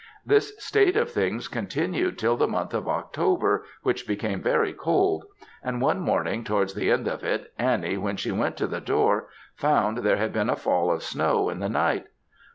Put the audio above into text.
This state of things continued till the month of October, which became very cold; and one morning, towards the end of it, Annie, when she went to the door, found there had been a fall of snow in the night.